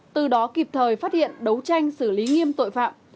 từ đó kịp thời phát hiện đấu tranh xử lý nghiêm tội phạm